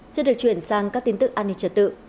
xin được chuyển sang các tin tức an ninh trật tự